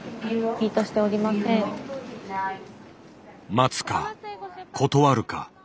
待つか断るか。